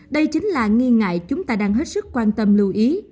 đây chính là nghi ngại chúng ta đang hết sức quan tâm lưu ý